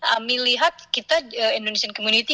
kami lihat kita indonesian community